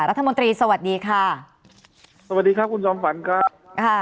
รัฐมนตรีสวัสดีค่ะสวัสดีครับคุณจอมฝันครับค่ะ